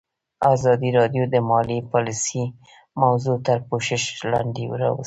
ازادي راډیو د مالي پالیسي موضوع تر پوښښ لاندې راوستې.